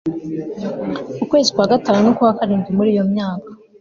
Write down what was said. kwezi kwa gatanu n ukwa karindwi muri iyo myaka